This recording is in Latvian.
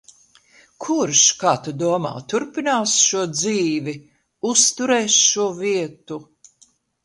Kurš, kā tu domā, turpinās šo dzīvi, uzturēs šo vietu?